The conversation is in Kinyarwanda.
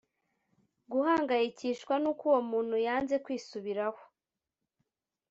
guhangayikishwa n’uko uwo muntu yanze kwisubiraho,